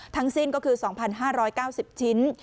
ทั้งสิ้นก็คือ๒๕๙๐ชิ้น